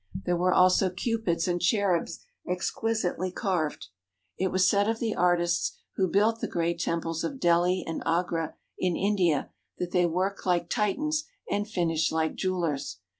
There were also Cupids and cherubs exquisitely carved. It was said of the artists who built the great temples of Delhi and Agra in India that they worked like Titans and finished like jewellers.